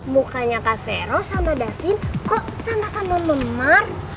mukanya kak fero sama davin kok sama sama memar